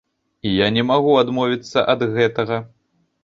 І я не магу адмовіцца ад гэтага.